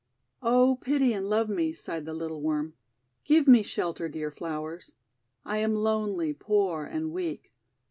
"Oh, pity and love me," sighed the little Worm. ''Give me shelter, dear Flowers. I am lonely, poor, and weak.